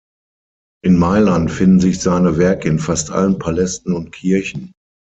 In Mailand finden sich seine Werke in fast allen Palästen und Kirchen.